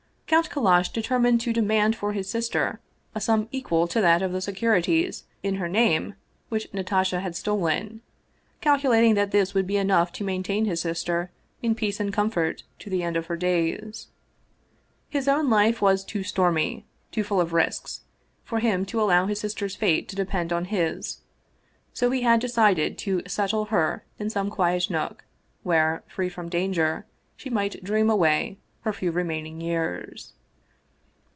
Count Kal lash determined to demand for his sister a sum equal to that of the securities in her name which Natasha had stolen, calculating that this would be enough to maintain his sister in peace and comfort to the end of her days. His own life was too stormy, too full of risks for him to allow his sister's fate to depend on his, so he had decided to set tle her in some quiet nook where, free from danger, she might dream away her few remaining years.